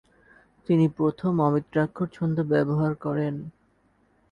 তিনি প্রথম অমিত্রাক্ষর ছন্দ ব্যবহার করেন।